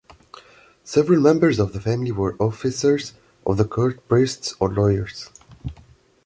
Several members of the family were officers of the court, priests, or lawyers.